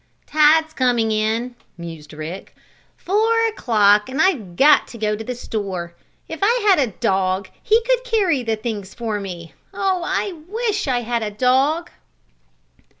"Tide's coming in," mused Rick. "Four o'clock, and I've got to go to the store. If I had a dog he could carry the things for me. Oh, I wish I had a dog!"